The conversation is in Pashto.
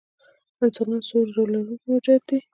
انسانان څو حجرې لرونکي موجودات دي